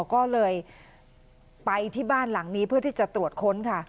ก็เลยไปที่บ้านหลังนี้เพื่อที่จะตรวจค้นค่ะ